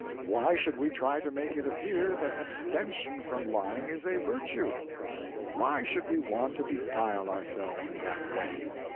Why should we try to make it appear that abstention from lying is a virtue? Why should we want to beguile ourselves in that way?